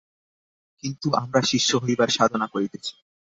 কিন্তু আমরা শিষ্য হইবার সাধনা করিতেছি।